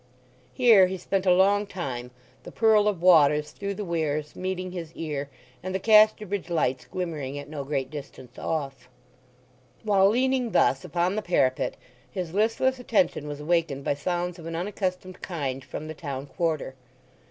Here he spent a long time, the purl of waters through the weirs meeting his ear, and the Casterbridge lights glimmering at no great distance off. While leaning thus upon the parapet his listless attention was awakened by sounds of an unaccustomed kind from the town quarter.